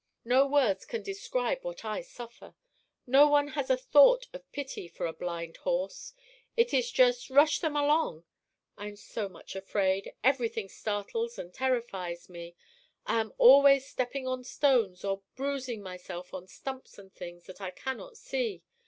"No words can describe what I suffer. No one has a thought of pity for a blind horse; it is just rush them along! I am so much afraid; everything startles and terrifies me; I am always stepping on stones or bruising myself on stumps and things that I cannot see.